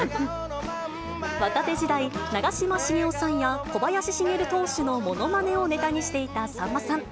若手時代、長嶋茂雄さんや小林繁投手のものまねをネタにしていたさんまさん。